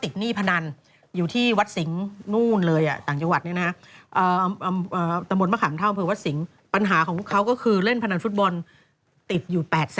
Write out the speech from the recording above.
ได้จึงได้ฆ่าตัวตาย